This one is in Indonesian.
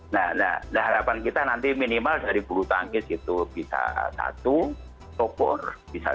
nah harapan kita nanti minimal dari bulu tangkis itu bisa satu topor bisa satu